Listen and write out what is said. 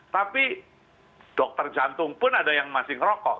tapi dokter jantung pun ada yang masih ngerokok